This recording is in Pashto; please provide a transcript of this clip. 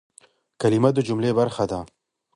کلیمه د جملې برخه ده.